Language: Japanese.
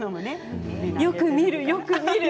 よく見る、よく見る。